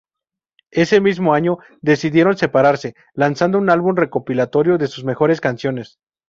Ése mismo año decidieron separarse, lanzando un álbum recopilatorio de sus mejores canciones.